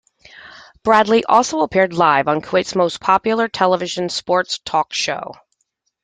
Bradley also appeared live on Kuwait's most popular television sports talk show.